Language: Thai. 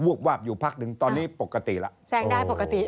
วาบอยู่พักหนึ่งตอนนี้ปกติแล้วแซงได้ปกติ